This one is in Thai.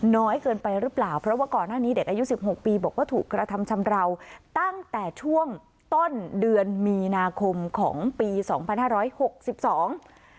น้อยเกินไปหรือเปล่าเพราะว่าก่อนหน้านี้เด็กอายุสิบหกปีบอกว่าถูกกระทำชำราวตั้งแต่ช่วงต้นเดือนมีนาคมของปีสองพันห้าร้อยหกสิบสอง